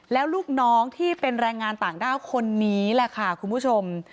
แล้วลูกน้องที่เป็นแรงงานต่างด้าวคนนี้แหละค่ะคุณผู้ชม